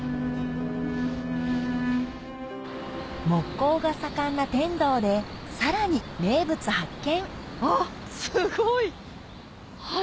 木工が盛んな天童でさらに名物発見あっすごい！橋！